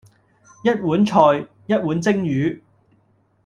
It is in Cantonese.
一碗菜，一碗蒸魚；